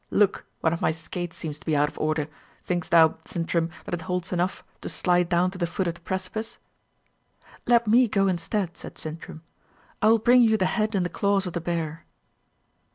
Look, one of my skates seems to be out of order. Thinkest thou, Sintram, that it holds enough to slide down to the foot of the precipice?" "Let me go instead," said Sintram. "I will bring you the head and the claws of the bear."